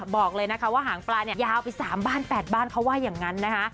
บอกเลยนะคะว่าหางปลาเนี่ยยาวไป๓บ้าน๘บ้านเขาว่าอย่างนั้นนะคะ